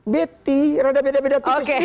beti rada beda beda